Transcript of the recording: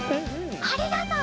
ありがとう！